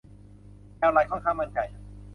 แอลลันค่อนข้างมั่นใจ